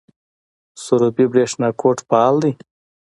سروبي بریښنا کوټ فعال دی؟